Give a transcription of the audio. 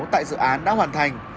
tại dự án đã hoàn thành